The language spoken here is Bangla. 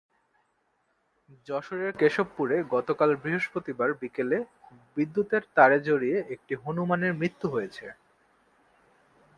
যশোরের কেশবপুরে গতকাল বৃহস্পতিবার বিকেলে বিদ্যুতের তারে জড়িয়ে একটি হনুমানের মৃত্যু হয়েছে।